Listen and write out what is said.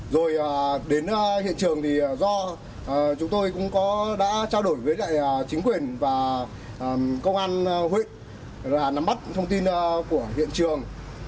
rồi đến hiện trường thì do chúng tôi cũng đã trao đổi với lại chính quyền và công an huyện và nắm bắt thông tin của hiện trường